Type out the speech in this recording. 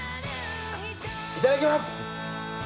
いただきます！